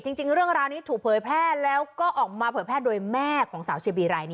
จริงเรื่องราวนี้ถูกเผยแพร่แล้วก็ออกมาเผยแพร่โดยแม่ของสาวเชียบีรายนี้